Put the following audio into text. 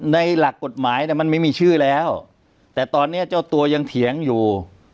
หลักกฎหมายเนี่ยมันไม่มีชื่อแล้วแต่ตอนนี้เจ้าตัวยังเถียงอยู่